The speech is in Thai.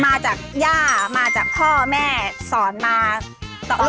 มาจากย่ามาจากพ่อแม่สอนมาตลอด